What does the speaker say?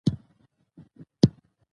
شیطان او دوشیزه پریم د هغه بل اثر دی.